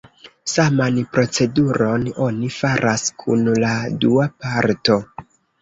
Saman proceduron oni faras kun la dua parto.